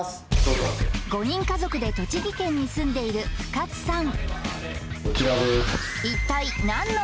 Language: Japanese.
５人家族で栃木県に住んでいる深津さん